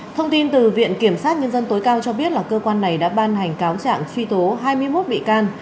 thông tin từ viện kiểm sát nhân dân tối cao cho biết là cơ quan này đã ban hành cáo trạng truy tố hai mươi một bị can